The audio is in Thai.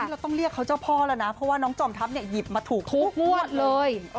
เราต้องเรียกเขาเจ้าพ่อแล้วนะเพราะว่าน้องจอมทัพหยิบมาถูกทุกงวดเลย